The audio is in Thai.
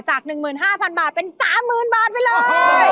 ๑๕๐๐๐บาทเป็น๓๐๐๐บาทไปเลย